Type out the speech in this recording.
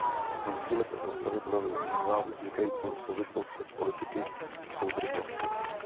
Musíme se postavit novým výzvám vznikajícím v souvislostech politiky soudržnosti.